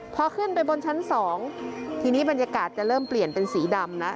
พอขึ้นไปบนชั้น๒ทีนี้บรรยากาศจะเริ่มเปลี่ยนเป็นสีดำนะ